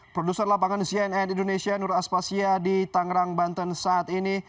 produser lapangan cnn indonesia nur aspasya di tangerang banten saat ini